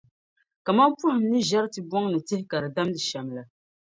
kaman pɔhim ni ʒiɛri tibɔŋ ni tihi ka di damdi shɛm la.